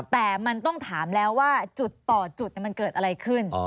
แต่มันต้องถามแล้วว่าจุดต่อจุดมันเกิดอะไรขึ้น